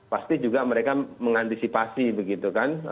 pasti juga mereka mengantisipasi begitu kan